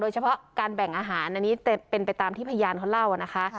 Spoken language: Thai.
เฉพาะการแบ่งอาหารอันนี้เป็นไปตามที่พยานเขาเล่านะคะ